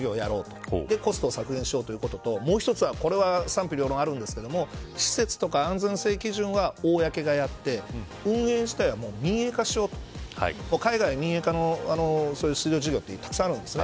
それでコストを削減しようということともう一つは賛否両論あるんですが施設とか安全性基準は公がやって運営自体が民営化しようと海外は民営化の水道事業ってたくさんあるんです。